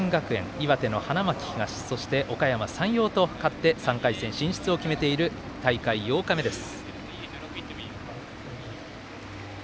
岩手の花巻東そして、おかやま山陽と勝って３回戦進出を決めている大会８日目です。